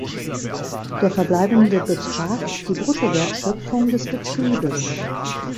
Der verbleibende Betrag ist die Bruttowertschöpfung des Betriebes.